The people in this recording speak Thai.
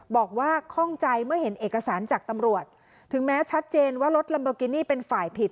ข้องใจเมื่อเห็นเอกสารจากตำรวจถึงแม้ชัดเจนว่ารถลัมโบกินี่เป็นฝ่ายผิด